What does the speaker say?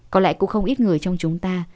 có lẽ cũng không ít người trong chúng ta